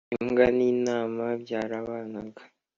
imbwa n'intama byarabanaga,